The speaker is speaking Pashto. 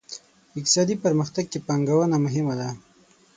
اقتصادي پرمختګ کې پانګونه مهمه ده.